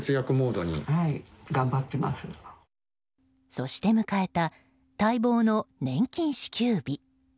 そして迎えた待望の年金支給日。